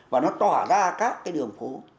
và nó tỏa ra các cái đường phố